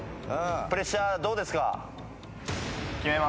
プレッシャーどうですか？